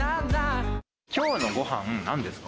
きょうのご飯、なんですか？